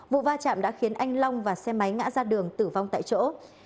vụ va chạm đã khiến anh long và xe máy ngã ra đường tử vong tại chỗ